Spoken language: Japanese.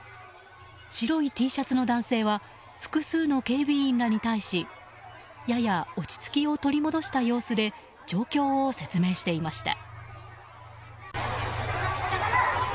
白いＴシャツの男性は複数の警備員らに対しやや落ち着きを取り戻した様子で状況を説明していました。